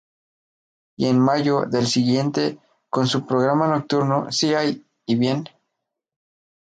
Y en mayo del año siguiente con su programa nocturno "Si hay...y bien...".